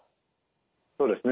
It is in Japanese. そうですね。